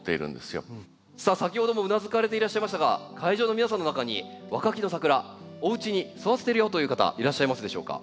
さあ先ほどもうなずかれていらっしゃいましたが会場の皆さんの中にワカキノサクラおうちに育ててるよという方はいらっしゃいますでしょうか？